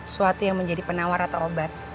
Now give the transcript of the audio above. suatu yang menjadi penawar atau obat